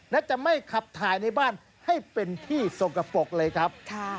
และจะไม่ขับถ่ายในบ้านให้เป็นที่สกปรกเลยครับ